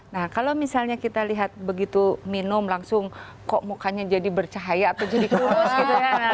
nah kalau misalnya kita lihat begitu minum langsung kok mukanya jadi bercahaya atau jadi keras gitu